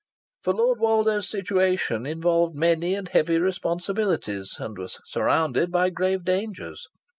For Lord Woldo's situation involved many and heavy responsibilities and was surrounded by grave dangers.